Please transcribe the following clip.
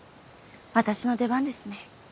私の出番ですね。